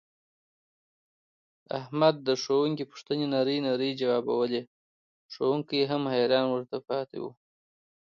احمد د ښوونکي پوښتنې نرۍ نرۍ ځواوبولې ښوونکی یې هم ورته حیران پاتې و.